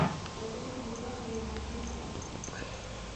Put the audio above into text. এতটা রূঢ় তিনি না হলেও পারতেন।